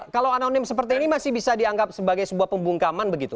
kalau anonim seperti ini masih bisa dianggap sebagai sebuah pembungkaman begitu